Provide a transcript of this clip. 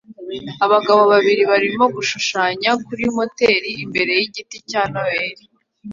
Abagabo babiri barimo gushushanya kuri moteri imbere yigiti cya Noheri